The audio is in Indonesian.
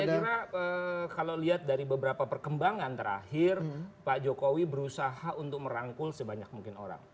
saya kira kalau lihat dari beberapa perkembangan terakhir pak jokowi berusaha untuk merangkul sebanyak mungkin orang